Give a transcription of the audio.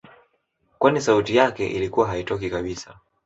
Kwani sauti yake ilikuwa haitokii kabisa